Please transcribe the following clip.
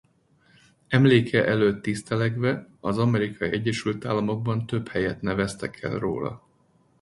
Emléke előtt tisztelegve az Amerikai Egyesült Államokban több helyet neveztek el róla.